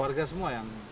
warga semua yang